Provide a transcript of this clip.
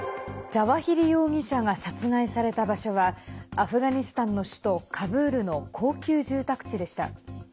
ザワヒリ容疑者が殺害された場所はアフガニスタンの首都カブールの高級住宅地でした。